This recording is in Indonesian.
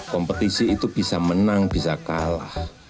kompetisi itu bisa menang bisa kalah